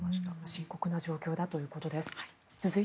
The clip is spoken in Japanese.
深刻な状況だということです。